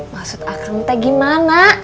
maksud akang entah gimana